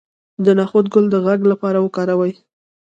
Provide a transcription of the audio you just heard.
د نخود ګل د غږ لپاره وکاروئ